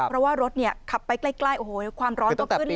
เพราะว่ารถขับไปใกล้โอ้โหความร้อนก็ขึ้น